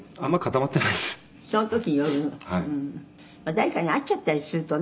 「誰かに会っちゃったりするとね」